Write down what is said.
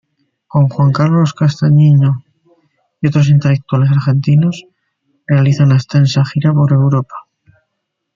Con Juan Carlos Castagnino y otros intelectuales argentinos realiza una extensa gira por Europa.